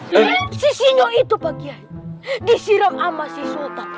eh si sinyo itu pak kiai disiram sama si sultan